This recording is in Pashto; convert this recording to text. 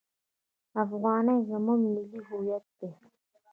افغانۍ زموږ ملي هویت دی.